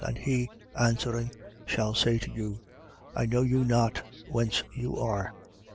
And he answering, shall say to you: I know you not, whence you are.